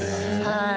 はい。